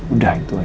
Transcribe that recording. udah itu aja